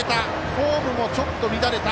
フォームもちょっと乱れた。